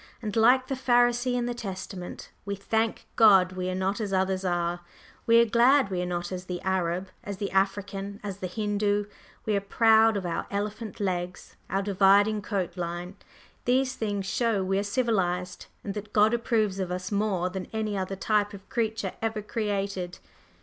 And, like the Pharisee in the Testament, we thank God we are not as others are. We are glad we are not as the Arab, as the African, as the Hindoo; we are proud of our elephant legs and our dividing coat line; these things show we are civilized, and that God approves of us more than any other type of creature ever created.